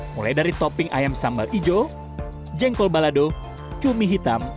mulai dari topping ayam sambal hijau jengkol balado cumi hitam